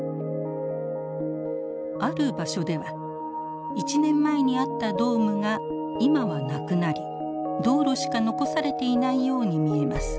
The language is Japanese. ある場所では１年前にあったドームが今はなくなり道路しか残されていないように見えます。